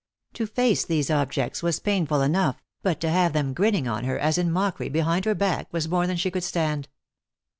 To face these objects was painful enough, but to have them grinning on her, as in mockery, behind her back, was more than she could stand.